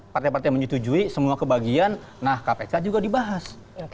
partai partai menyetujui semua kebagian nah kpk juga dibahas